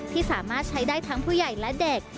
ที่สามารถใช้ได้ทั้งผู้ใหญ่และเด็ก